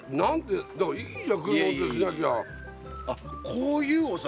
こういうお酒？